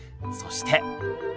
そして。